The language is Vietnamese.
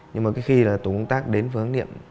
nhưng mà khi tổ công tác đến phường khắc niệm